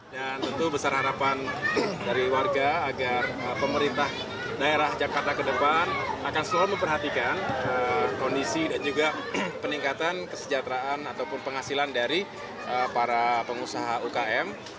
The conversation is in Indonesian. tentu besar harapan dari warga agar pemerintah daerah jakarta ke depan akan selalu memperhatikan kondisi dan juga peningkatan kesejahteraan ataupun penghasilan dari para pengusaha ukm